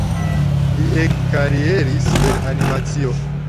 Li ekkarieris per animacio.